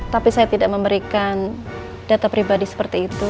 tapi saya tidak memberikan data pribadi seperti itu